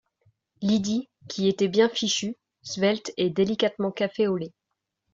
Lydie, qui était bien fichue, svelte et délicatement café au lait